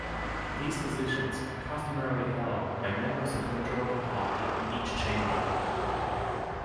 These positions are customarily held by members of the majority party in each chamber.